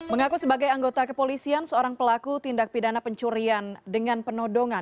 mengaku sebagai anggota kepolisian seorang pelaku tindak pidana pencurian dengan penodongan